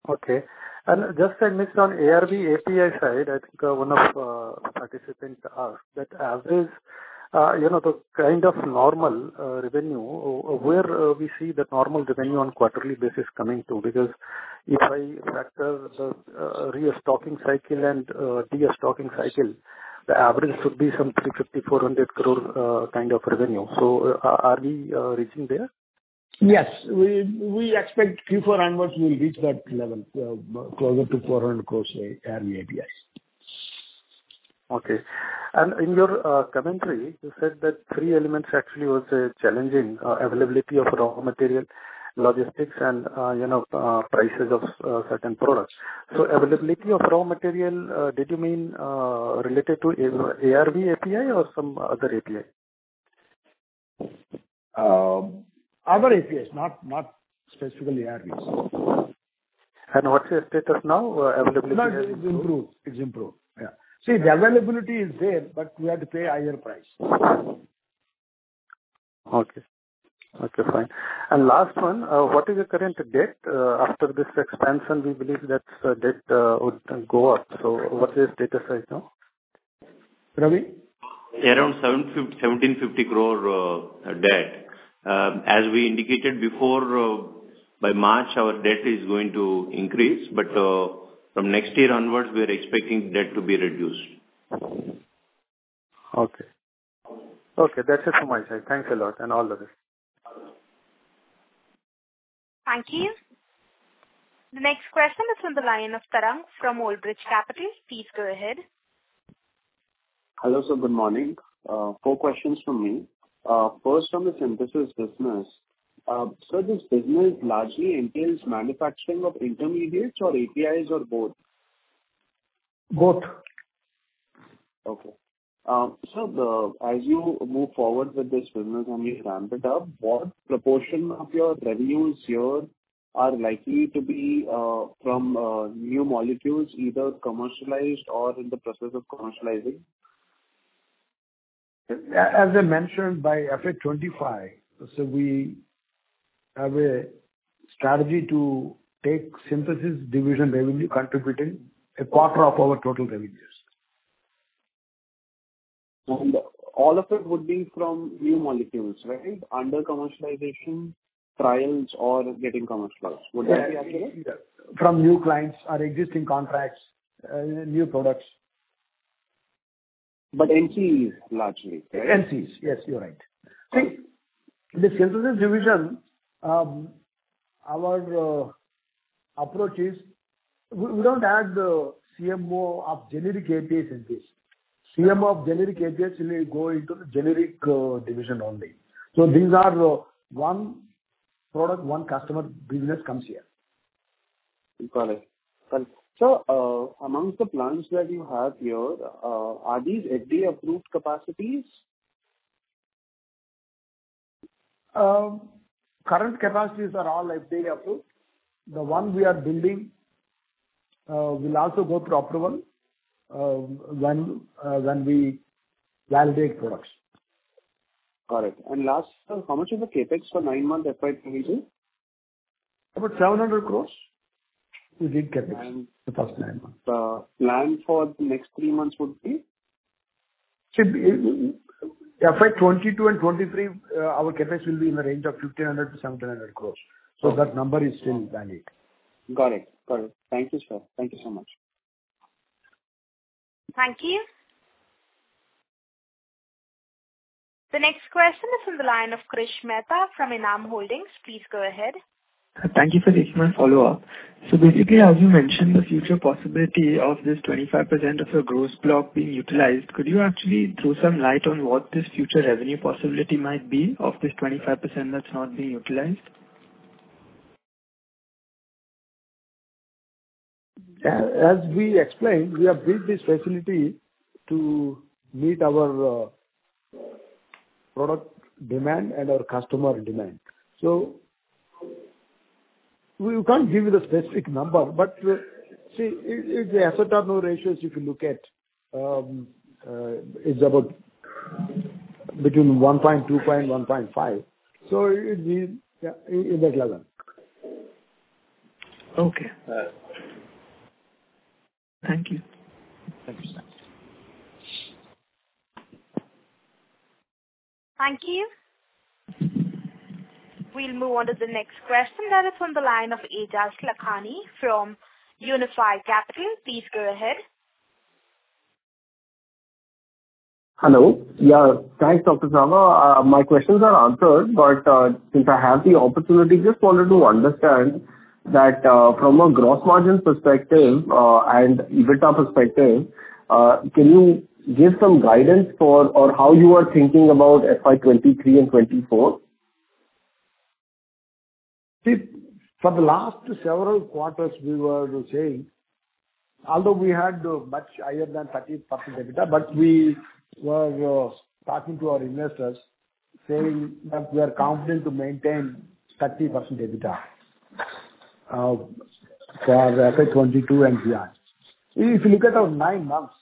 Okay. Just I missed on ARV API side, I think, one of participant asked that average, you know, the kind of normal revenue, where we see the normal revenue on quarterly basis coming to? Because if I factor the restocking cycle and de-stocking cycle, the average should be some 350 crore-400 crore kind of revenue. Are we reaching there? Yes. We expect Q4 onwards we'll reach that level, closer to 400 crore rupees ARV APIs. Okay. In your commentary you said that three elements actually was challenging, availability of raw material, logistics, and, you know, prices of certain products. Availability of raw material, did you mean related to ARV API or some other API? Other APIs, not specifically ARVs. What's your status now, availability? Now it's improved. Yeah. See, the availability is there, but we have to pay higher price. Okay. Okay, fine. Last one, what is your current debt? After this expansion we believe that debt would go up. What is status right now? Ravi? Around 1,750 crore debt. As we indicated before, by March our debt is going to increase. From next year onwards we are expecting debt to be reduced. Okay. Okay, that's it from my side. Thanks a lot, and all the best. Thank you. The next question is on the line of Tarang from Old Bridge Capital. Please go ahead. Hello, sir. Good morning. Four questions from me. First on the synthesis business. This business largely entails manufacturing of intermediates or APIs or both? Both. As you move forward with this business and you ramp it up, what proportion of your revenues here are likely to be from new molecules either commercialized or in the process of commercializing? As I mentioned by FY 2025, so we have a strategy to take synthesis division revenue contributing a quarter of our total revenues. All of it would be from new molecules, right? Under commercialization trials or getting commercialized. Would that be accurate? Yeah. From new clients or existing contracts, new products. NCEs largely, right? NCEs, yes, you're right. See, the synthesis division, our approach is we don't add the CMO of generic APIs synthesis. CMO of generic APIs will go into the generic division only. These are one product, one customer business comes here. Got it. Among the plants that you have here, are these FDA-approved capacities? Current capacities are all FDA-approved. The one we are building will also go through approval when we validate products. Got it. Last, how much is the CapEx for nine-month FY 2022? About 700 crore we did CapEx. And- the first nine months plan for the next three months would be? See, in FY 2022 and 2023, our CapEx will be in the range of 1,500 crore-1,700 crore. That number is still valid. Got it. Thank you, sir. Thank you so much. Thank you. The next question is on the line of Krish Mehta from Enam Holdings. Please go ahead. Thank you for taking my follow-up. So basically, as you mentioned, the future possibility of this 25% of the gross block being utilized, could you actually throw some light on what this future revenue possibility might be of this 25% that's not being utilized? As we explained, we have built this facility to meet our product demand and our customer demand. We can't give you the specific number. See, if the asset turnover ratios, if you look at, it's about between 1.2-1.5. It means, yeah, in that level. Okay. Uh. Thank you. Thank you, sir. Thank you. We'll move on to the next question that is on the line of Aejas Lakhani from Unifi Capital. Please go ahead. Hello. Yeah, thanks, Dr. Chava. My questions are answered, but since I have the opportunity, just wanted to understand that, from a gross margin perspective, and EBITDA perspective, can you give some guidance for or how you are thinking about FY 2023 and 2024? See, for the last several quarters we were saying, although we had much higher than 30% EBITDA, but we were talking to our investors saying that we are confident to maintain 30% EBITDA for FY 2022 and beyond. If you look at our nine months,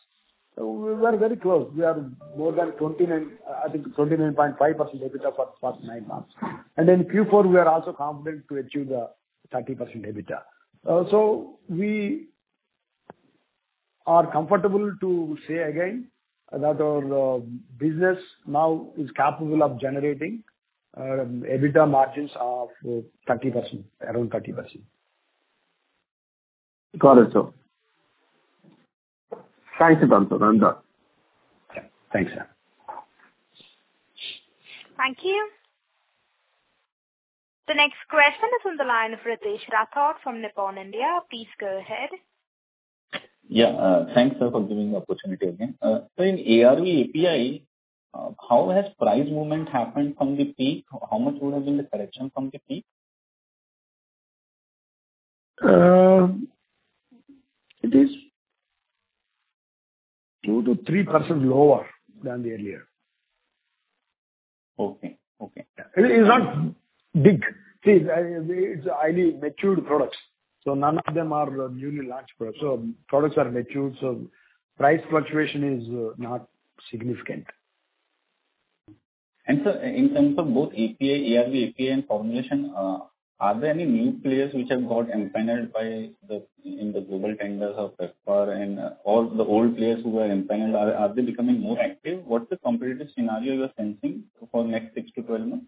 we were very close. We are more than 29%, I think 29.5% EBITDA for first nine months. Q4 we are also confident to achieve the 30% EBITDA. We are comfortable to say again that our business now is capable of generating EBITDA margins of 30%, around 30%. Got it, sir. Thanks a ton, sir. I'm done. Okay. Thanks, sir. Thank you. The next question is on the line of Ritesh Rathod from Nippon India. Please go ahead. Yeah. Thanks, sir, for giving the opportunity again. Sir, in ARV API, how has price movement happened from the peak? How much would have been the correction from the peak? It is 2%-3% lower than the earlier. Okay. Okay. It's not big. See, it's highly mature products, so none of them are newly launched products. Products are mature, so price fluctuation is not significant. Sir, in terms of both API, ARV API and formulation, are there any new players which have got empanelled by the in the global tenders of PEPFAR and all the old players who were empanelled, are they becoming more active? What's the competitive scenario you're sensing for next sic to 12 months?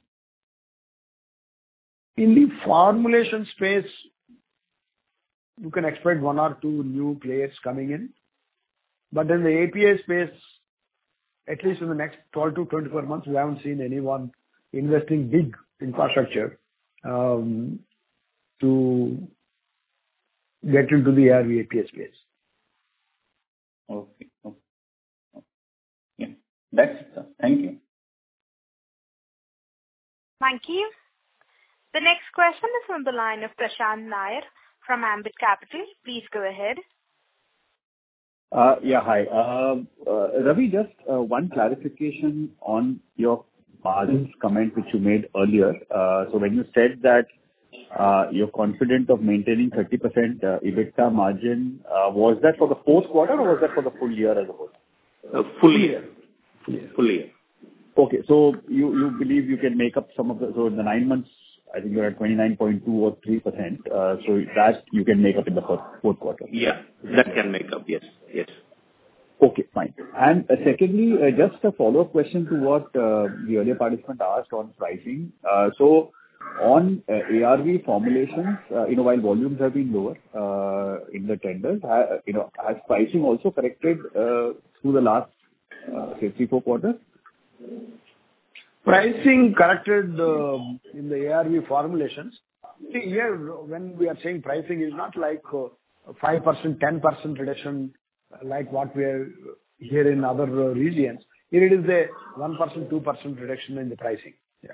In the formulation space, you can expect one or two new players coming in. In the API space, at least in the next 12-24 months, we haven't seen anyone investing big infrastructure to get into the ARV API space. Okay. Yeah. That's it, sir. Thank you. Thank you. The next question is on the line of Prashant Nair from Ambit Capital. Please go ahead. Yeah. Hi. Ravi, just one clarification on your margins comment which you made earlier. So when you said that, you're confident of maintaining 30% EBITDA margin, was that for the fourth quarter or was that for the full year as a whole? Full year. Okay. You believe you can make up some of the, in the nine months I think you are at 29.2% or 29.3%, so that you can make up in the fourth quarter? Yeah. That can make up. Yes. Yes. Okay. Fine. Secondly, just a follow-up question to what the earlier participant asked on pricing. So on ARV formulations, you know, while volumes have been lower in the tenders, you know, has pricing also corrected through the last, say three, four quarters? Pricing corrected in the ARV formulations. See here, when we are saying pricing is not like 5%, 10% reduction like what we're hearing in other regions. Here it is a 1%, 2% reduction in the pricing. Yeah.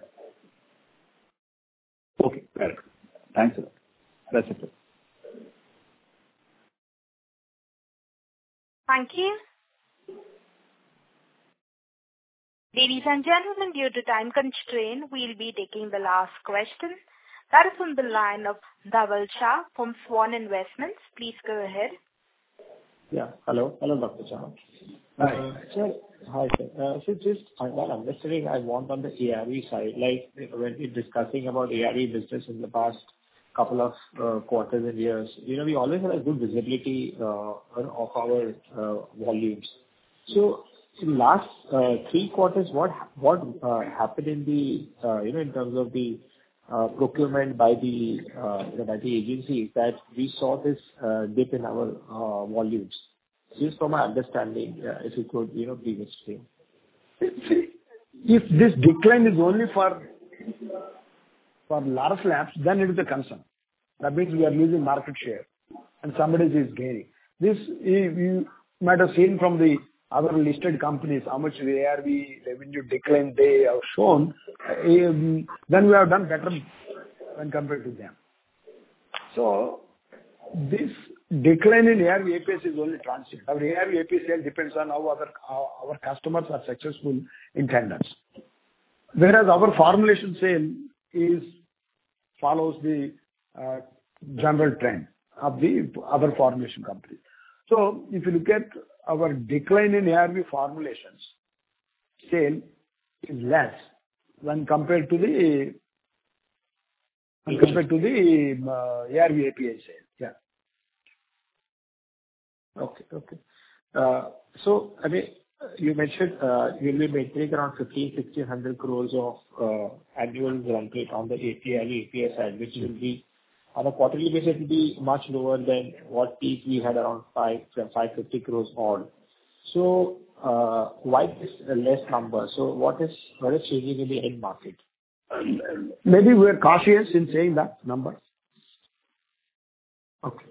Okay. Got it. Thanks a lot. That's it. Thank you. Ladies and gentlemen, due to time constraint, we'll be taking the last question. That is on the line of Dhawal Shah from Svan Investments. Please go ahead. Yeah. Hello, Dr. Chava. Hi. Sir. Hi, sir. Just one understanding I want on the ARV side. Like, when we're discussing about ARV business in the past couple of quarters and years, you know, we always have a good visibility on our volumes. In last three quarters, what happened in the, you know, in terms of the procurement by the, you know, by the agency that we saw this dip in our volumes. Just from my understanding, if you could, you know, please explain. See, if this decline is only for Laurus Labs, then it is a concern. That means we are losing market share and somebody is gaining. This you might have seen from the other listed companies how much ARV revenue decline they have shown. We have done better when compared to them. This decline in ARV APIs is only transient. Our ARV API sale depends on how our customers are successful in tenders. Whereas our formulation sale is follows the general trend of the other formulation company. If you look at our decline in ARV formulations sale is less when compared to the ARV API sales. Yeah. I mean, you mentioned you will be making around 1,500 crore-1,600 crore of annual growth rate on the API and APS side, which will be on a quarterly basis will be much lower than what we had around 500 crore-550 crore odd. Why is this a less number? What is changing in the end market? Maybe we are cautious in saying that number. Okay.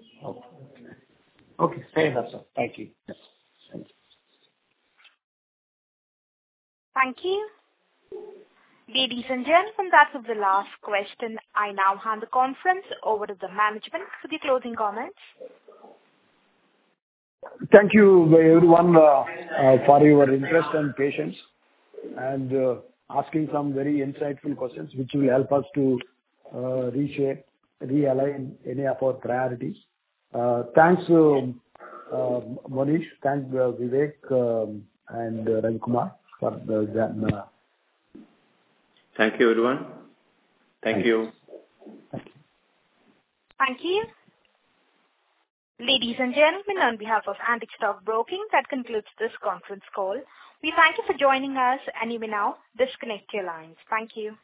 Okay. Very well, sir. Thank you. Yes. Thank you. Thank you. Ladies and gentlemen, that was the last question. I now hand the conference over to the management for the closing comments. Thank you everyone for your interest and patience and asking some very insightful questions which will help us to reshape, realign any of our priorities. Thanks, Manish, thanks, Vivek, and Ravi kumar for the Thank you everyone. Thank you. Thank you. Thank you. Ladies and gentlemen, on behalf of Antique Stock Broking, that concludes this conference call. We thank you for joining us, and you may now disconnect your lines. Thank you.